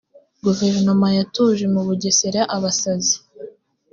guverinoma yatuje mu bugesera abasazi